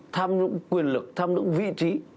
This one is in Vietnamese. tham nhũng quyền lực tham nhũng vị trí